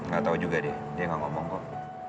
gak tau juga deh dia gak ngomong kok